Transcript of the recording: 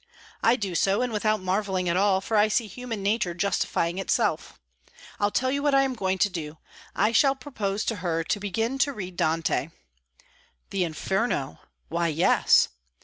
"I do so, and without marvelling at all, for I see human nature justifying itself. I'll tell you what I am going to do, I shall propose to her to begin and read Dante." "The 'Inferno.' Why, yes."